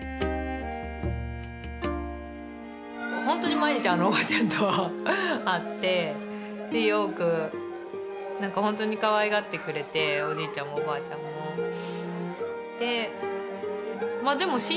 ほんとに毎日あのおばちゃんと会ってよくほんとにかわいがってくれておじいちゃんもおばあちゃんも。